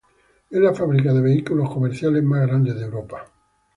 Es la fábrica de vehículos comerciales más grande de Europa.